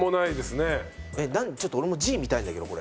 ちょっと俺も字見たいんだけどこれ。